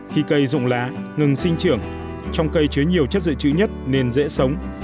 khi cây rụng lá ngừng sinh trưởng trong cây chứa nhiều chất dự trữ nhất nên dễ sống